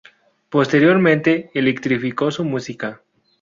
Posteriormente, electrificó su música.